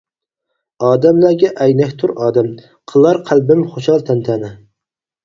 ئادەملەرگە ئەينەكتۇر ئادەم، قىلار قەلبىم خۇشال تەنتەنە.